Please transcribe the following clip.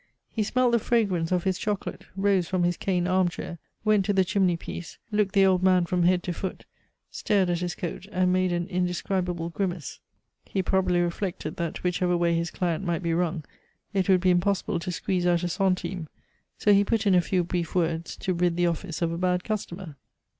He smelt the fragrance of his chocolate, rose from his cane armchair, went to the chimney piece, looked the old man from head to foot, stared at his coat, and made an indescribable grimace. He probably reflected that whichever way his client might be wrung, it would be impossible to squeeze out a centime, so he put in a few brief words to rid the office of a bad customer.